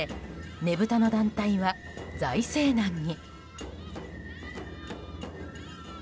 ねぶたの団体は財政難に。